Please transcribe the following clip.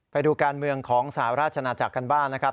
ไปดูการเมืองของสหราชนาจักรกันบ้างนะครับ